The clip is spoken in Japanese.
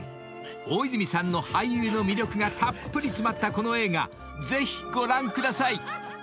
［大泉さんの俳優の魅力がたっぷり詰まったこの映画ぜひご覧ください］